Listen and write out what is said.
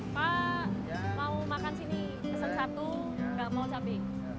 pak mau makan sini pesan satu nggak mau cabai